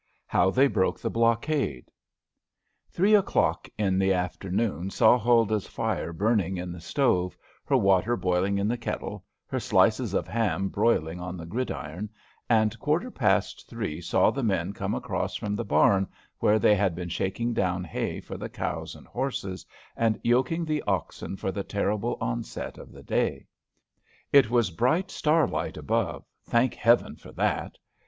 HOW THEY BROKE THE BLOCKADE. Three o'clock in the morning saw Huldah's fire burning in the stove, her water boiling in the kettle, her slices of ham broiling on the gridiron, and quarter past three saw the men come across from the barn, where they had been shaking down hay for the cows and horses, and yoking the oxen for the terrible onset of the day. It was bright star light above, thank Heaven for that.